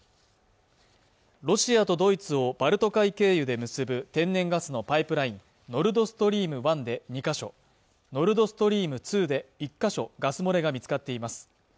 ロシアとドイツをバルト海経由で結ぶ天然ガスのパイプラインノルドストリーム１で２か所ノルドストリーム２で１か所ガス漏れが見つかっています